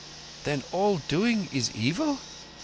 "Then all Doing is evil?"